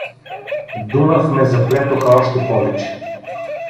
Дунав ме заплетоха още повече.